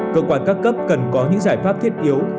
cơ quan các cấp cần có những giải pháp thiết yếu